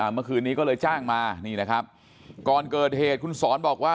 เมื่อคืนนี้ก็เลยจ้างมานี่นะครับก่อนเกิดเหตุคุณสอนบอกว่า